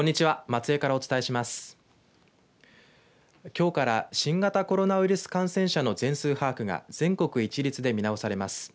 きょうから新型コロナウイルス感染者の全数把握が全国一律で見直されます。